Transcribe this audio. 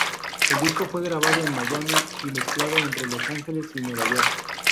El disco fue grabado en Miami y mezclado entre Los Angeles y Nueva York.